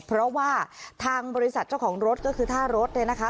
เพราะว่าทางบริษัทเจ้าของรถก็คือท่ารถเนี่ยนะคะ